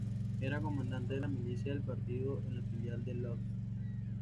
Era comandante de la milicia del partido en la filial en Łódź.